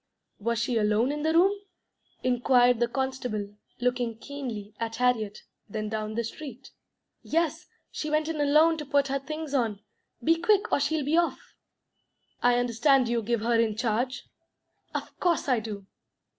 "Was she alone in the room?" inquired the constable, looking keenly at Harriet, then down the street. "Yes, she went in alone to put her things on. Be quick, or she'll be off!" "I understand you give her in charge?" "Of course I do."